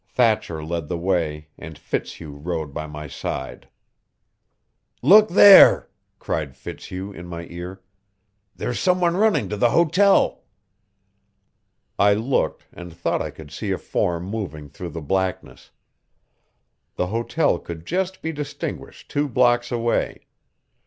Thatcher led the way, and Fitzhugh rode by my side. "Look there!" cried Fitzhugh in my ear. "There's some one running to the hotel!" I looked, and thought I could see a form moving through the blackness. The hotel could just be distinguished two blocks away.